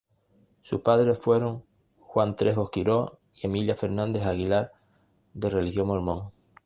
Sus padres fueron Juan Trejos Quirós y Emilia Fernández Aguilar de religión mormón.